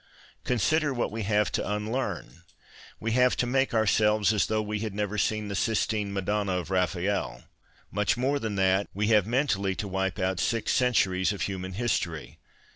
Consider what we have to unlearn. We have to make our selves as though we had never seen the Sistine Madonna of Raphael ; mueii more than that, we have mentally to wipe out six centuries of human history.